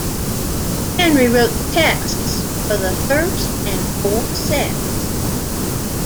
Henry wrote the texts for the first and fourth sets.